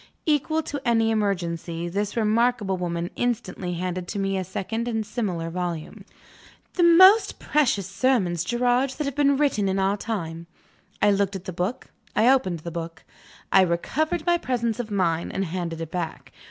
Equal to any emergency, this remarkable woman instantly handed to me a second and similar volume. "The most precious sermons, Gerard, that have been written in our time." I looked at the book; I opened the book; I recovered my presence of mind, and handed it back.